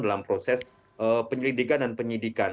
dalam proses penyelidikan dan penyidikan